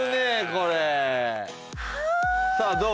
これはあさあどう？